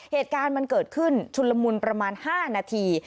เหตุการณ์มันเกิดขึ้นชุนละมุนประมาณ๕นาที